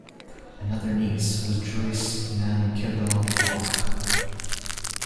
Another niece was Joice NanKivell Loch.